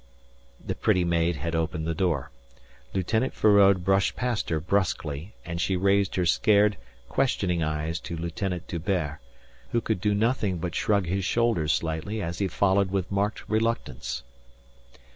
The pretty maid had opened the door. Lieutenant Feraud brushed past her brusquely and she raised her scared, questioning eyes to Lieutenant D'Hubert, who could do nothing but shrug his shoulders slightly as he followed with marked reluctance.